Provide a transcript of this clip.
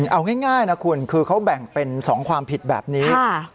เอาง่ายนะคุณคือเขาแบ่งเป็น๒ความผิดแบบนี้